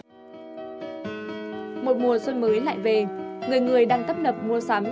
người người đang tấp nập mua sắm